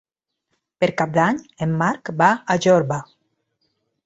Per Cap d'Any en Marc va a Jorba.